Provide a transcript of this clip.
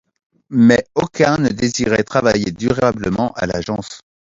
Mais aucun ne désirait travailler durablement à l'agence.